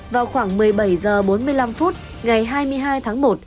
vào khoảng một mươi bảy h bốn mươi năm phút ngày hai mươi hai tháng một